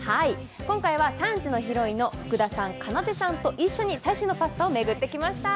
今回は３時のヒロインの福田さん、かなでさんとともに最新のパスタを巡ってきました。